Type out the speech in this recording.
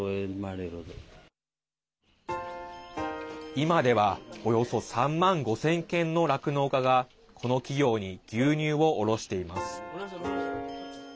今ではおよそ３万５０００軒の酪農家がこの企業に牛乳を卸しています。